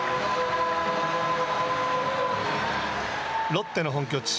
ロッテの本拠地